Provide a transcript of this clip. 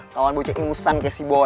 kawan bocah ingusan kayak si boy